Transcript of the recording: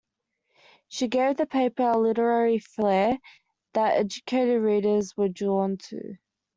She gave the paper a literary flare that educated readers were drawn to.